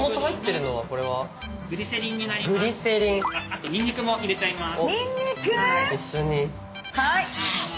あとニンニクも入れちゃいます。